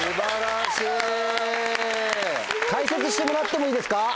・解説してもらってもいいですか？